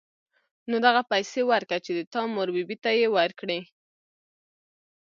نو دغه پيسې ورکه چې د تا مور بي بي ته يې ورکي.